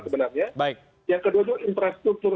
sebenarnya yang kedua itu infrastruktur